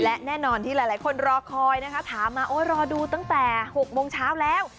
และแน่นอนที่หลายคนรอคอยนะคะถามมาโอ้รอดูตั้งแต่๖โมงเช้าแล้ว